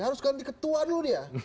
harus ganti ketua dulu dia